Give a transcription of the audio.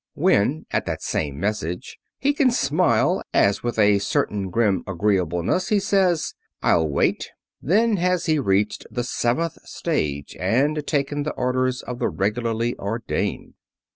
When, at that same message, he can smile, as with a certain grim agreeableness he says, "I'll wait," then has he reached the seventh stage, and taken the orders of the regularly ordained.